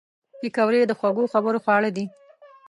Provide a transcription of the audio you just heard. پکورې د خوږو خبرو خواړه دي